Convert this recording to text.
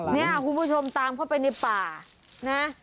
เนี่ยคุณผู้ชมตามเข้าไปในป่านะ